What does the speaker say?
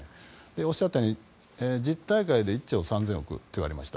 おっしゃったように１０大会で１兆３０００億といわれました。